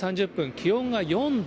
気温が４度。